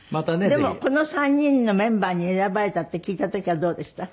でもこの３人のメンバーに選ばれたって聞いた時はどうでした？